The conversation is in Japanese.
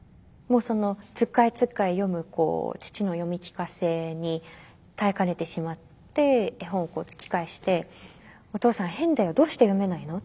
つっかえつっかえ読む父の読み聞かせに耐えかねてしまって絵本を突き返して「お父さん変だよ。どうして読めないの？」